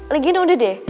legiin udah deh